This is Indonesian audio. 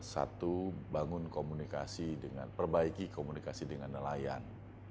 satu bangun komunikasi dengan perbaiki komunikasi dengan nelayan